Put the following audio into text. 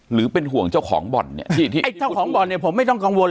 หรือเป็นห่วงเจ้าของบ่อนเนี่ยไอ้เจ้าของบ่อนเนี่ยผมไม่ต้องกังวล